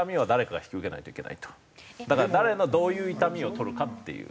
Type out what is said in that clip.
だから誰のどういう痛みを取るかっていう。